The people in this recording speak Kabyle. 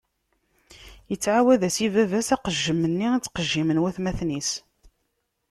Ittɛawad-as i baba-s aqejjem-nni i ttqejjimen watmaten-is.